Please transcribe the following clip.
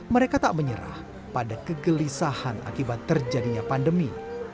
mereka tak menyerah pada kegelisahan akibat terjadinya pandemi